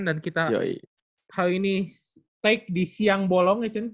dan kita hari ini take di siang bolong ya cun